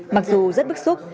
mặc dù rất bức xúc